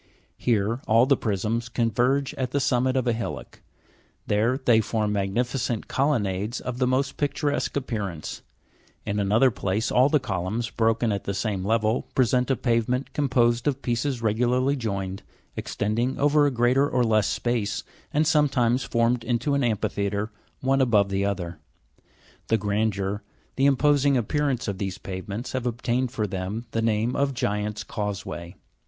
Here all the prisms converge at the summit of a hillock ; there they form magnificent colonnades of the most picturesque appearance; in another place all the columns, broken at the same level, present a pavement com posed of pieces regularly joined, extending over a greater or less space, and sometimes formed into an amphitheatre, one above the other. The gran deur, the imposing appearance of these pavements, have obtained for them the name of Giants 1 Causeway.